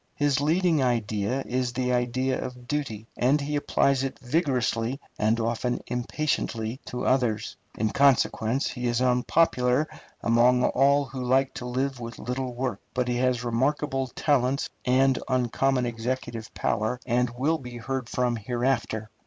His leading idea is the idea of duty, and he applies it vigorously and often impatiently to others. In consequence he is unpopular among all who like to live with little work. But he has remarkable talents and uncommon executive power, and will be heard from hereafter.